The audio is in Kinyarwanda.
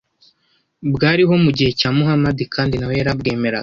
bwariho mu gihe cya Muhamadi kandi na we yarabwemeraga